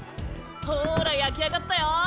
ほら焼き上がったよ。